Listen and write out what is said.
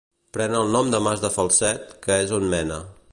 Pren el nom del Mas de Falset, que és on mena.